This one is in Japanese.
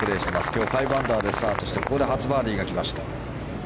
今日、５アンダーでスタートしてここで初バーディーが来ました。